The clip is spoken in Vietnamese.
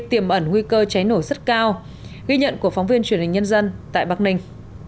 tiềm ẩn nguy cơ cháy nổ rất cao ghi nhận của phóng viên truyền hình nhân dân tại bắc ninh